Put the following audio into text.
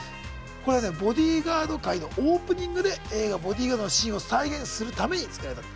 これね「ボディーガード」回のオープニングで映画「ボディガード」のシーンを再現するために作られた。